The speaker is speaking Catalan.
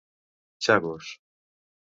Chagos.